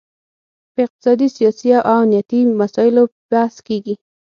پر اقتصادي، سیاسي او امنیتي مسایلو بحث کیږي